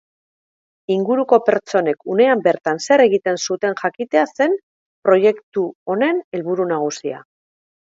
Inguruko pertsonek unean bertan zer egiten zuten jakitea zen proiektu honen helburu nagusia.